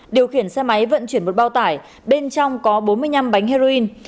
điều khiển xe máy vận chuyển một bao tải bên trong có bốn mươi năm bánh heroin